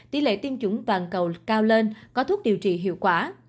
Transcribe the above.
tỷ lệ tiêm chủng toàn cầu cao lên có thuốc điều trị hiệu quả